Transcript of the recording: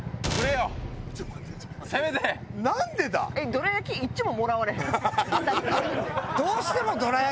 どら焼きいっちょんももらわれへん？